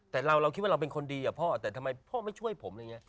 แต่เราคิดว่าเราเป็นคนดีอะพ่อแต่ทำไมพ่อไม่ช่วยผมอะไรอย่างนี้